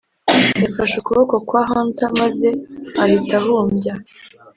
yafashe ukuboko kwa hunter maze ahita ahumbya